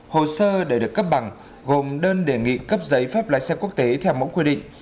hồ sơ để được cấp bằng gồm đơn đề nghị cấp giấy phép lái xe quốc tế theo mẫu quy định